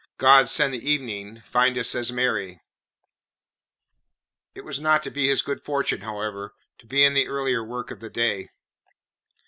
God send the evening find us as merry." It was not to be his good fortune, however, to be in the earlier work of the day.